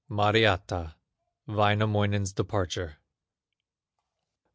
MARIATTA—WAINAMOINEN'S DEPARTURE.